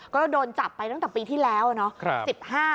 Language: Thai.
ก็โดนจับไปตั้งแต่ปีที่แล้วเนาะ